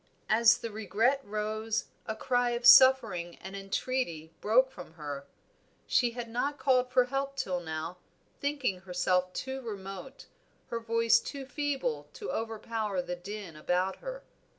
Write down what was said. As the regret rose, a cry of suffering and entreaty broke from her. She had not called for help till now, thinking herself too remote, her voice too feeble to overpower the din about her.